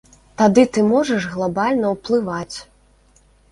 Тады ты можаш глабальна ўплываць.